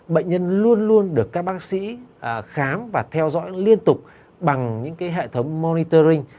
bệnh nhân luôn luôn được các bác sĩ khám và theo dõi liên tục bằng những hệ thống moritering